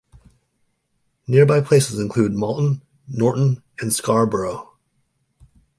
Nearby places include Malton, Norton and Scarborough.